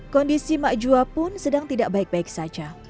kondisi ma'ikah pun sedang tidak baik baik saja